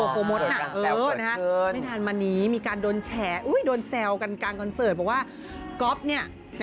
ก่อนตอนปอบโบ๊คโก้โมชหน่ะเวทัลกันแซวขนเรื่องขึ้น